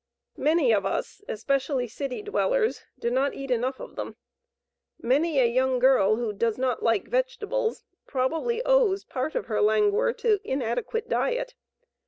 Many of us, especially city dwellers, do not eat enough of them. Many a young girl who "does not like vegetables" probably owes part of her languor to inadequate diet.